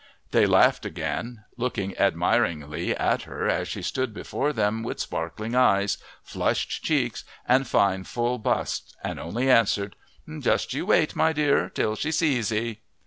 They laughed again, looking admiringly at her as she stood before them with sparkling eyes, flushed cheeks, and fine full bust, and only answered, "Just you wait, my dear, till she sees 'ee."